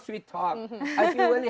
saya tidak berbicara manis